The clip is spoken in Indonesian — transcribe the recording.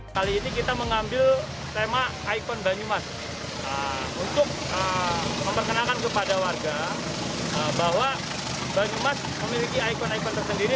kali ini kita mengambil tema ikon banyumas untuk memperkenalkan kepada warga bahwa banyumas memiliki ikon ikon tersendiri